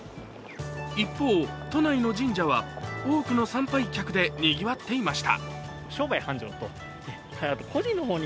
一方、都内の神社は多くの参拝客でにぎわっていました。